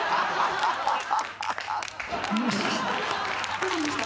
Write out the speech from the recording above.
どうしました？